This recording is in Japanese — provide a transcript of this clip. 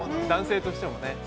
男性としてもね。